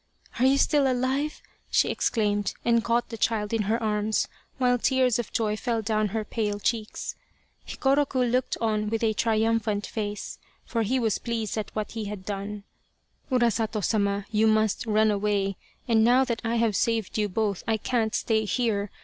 " Are you still alive ?" she exclaimed, and caught the child in her arms while tears of joy fell down her pale cheeks. Hikoroku looked on with a triumphant face, for he was pleased at what he had done. " Urasato Sama, you must run away, and now that I have saved you both I can't stay here.